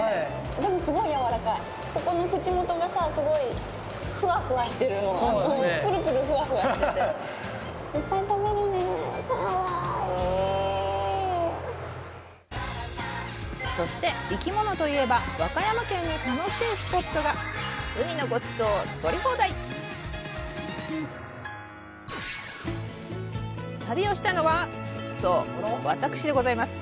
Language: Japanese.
でもすごいやわらかいここの口元がさすごいふわふわしてるぷるぷるふわふわしてていっぱい食べるねかわいいそして生き物といえば和歌山県に楽しいスポットが旅をしたのはそうわたくしでございます